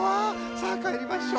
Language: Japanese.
さあかえりましょ。